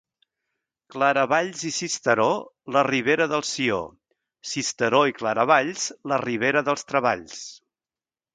Claravalls i Sisteró, la ribera del Sió; Sisteró i Claravalls, la ribera dels treballs.